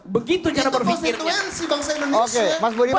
begitu cara berpikirnya